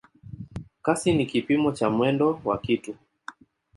Kasi ni kipimo cha mwendo wa kitu.